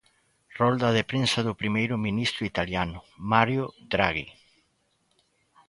Rolda de prensa do primeiro ministro italiano, Mario Draghi.